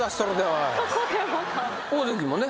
大関もね。